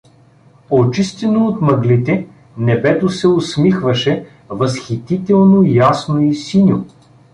Очистено от мъглите, небето се усмихваше, възхитително ясно и синьо.